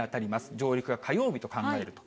上陸が火曜日と考えると。